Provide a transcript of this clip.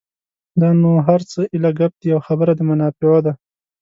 دا نور هر څه ایله ګپ دي او خبره د منافعو ده.